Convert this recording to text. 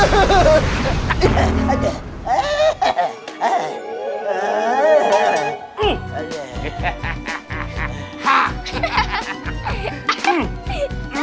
aduh eh hihi